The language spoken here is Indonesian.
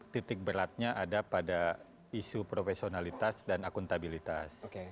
titik beratnya ada pada isu profesionalitas dan akuntabilitas